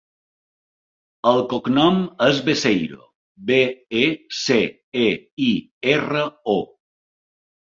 El cognom és Beceiro: be, e, ce, e, i, erra, o.